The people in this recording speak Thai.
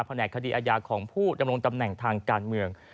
แหนกคดีอาญาของผู้ดำรงตำแหน่งทางการเมือง